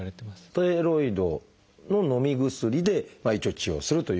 ステロイドののみ薬で一応治療するということですね？